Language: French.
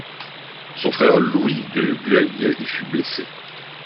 Son frère Louis de Bueil y fut blessé.